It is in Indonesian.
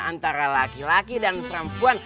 antara laki laki dan perempuan